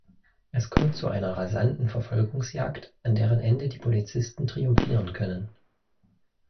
Es kommt zu einer rasanten Verfolgungsjagd, an deren Ende die Polizisten triumphieren können.